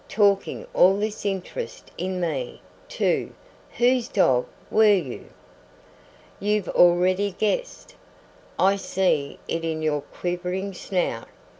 "Talking all this interest in me, too. Whose dog were you?" "You've already guessed. I see it in your quivering snout.